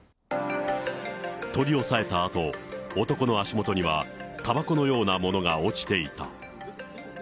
取り押さえたあと、男の足元には、たばこのようなものが落ちていた。